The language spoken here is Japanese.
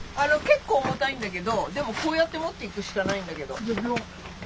結構重たいんだけどでもこうやって持っていくしかないんだけど。